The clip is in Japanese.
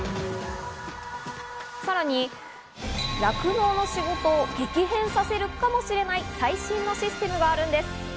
さらに酪農の仕事を激変させるかもしれない最先端のシステムがあるんです。